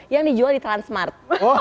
yang dijual di transmart